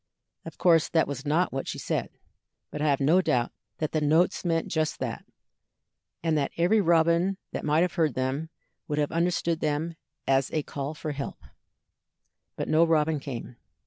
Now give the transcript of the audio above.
Of course that was not what she said, but I have no doubt that the notes meant just that, and that every robin that might have heard them would have understood them as a call for help. But no robin came.